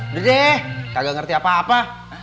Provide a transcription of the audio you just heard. udah deh kagak ngerti apa apa